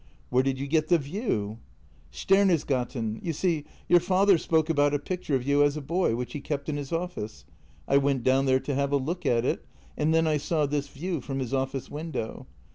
" Where did you get the view? "" Stenersgaten. You see, your father spoke about a picture of you as a boy, which he kept in his office. I went down there to have a look at it, and then I saw this view from his office window.